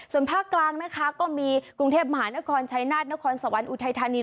ส่วนภาคกลางนะคะก็มีกรุงเทพมหานครชัยนาธนครสวรรค์อุทัยธานี